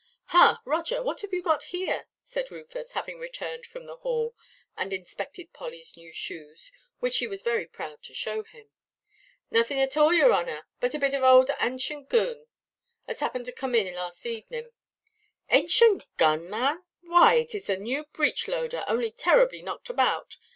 "Ha, Roger, what have you got here?" said Rufus, having returned from the Hall, and inspected Pollyʼs new shoes, which she was very proud to show him. "Naethin' at all, yer honour, but a bit o' a old anshent goon, as happed to coom in last avening." "Ancient gun, man! Why, it is a new breech–loader, only terribly knocked about.